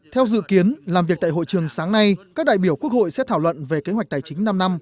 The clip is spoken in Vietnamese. theo dự kiến làm việc tại hội trường sáng nay các đại biểu quốc hội sẽ thảo luận về kế hoạch tài chính năm năm